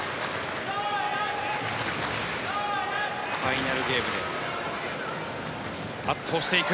ファイナルゲームで圧倒していく。